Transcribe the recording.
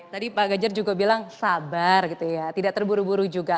tadi pak gajar juga bilang sabar gitu ya tidak terburu buru juga